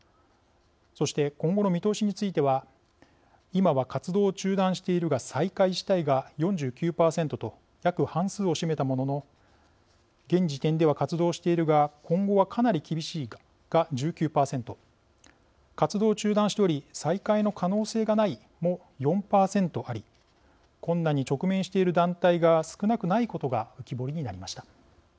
そして今後の見通しについては今は活動を中断しているが再開したいが４９％と約半数を占めたものの現時点では活動しているが今後はかなり厳しいが１９％活動を中断しており再開の可能性がないも４％あり困難に直面している団体が少なくないことが浮き彫りになりました。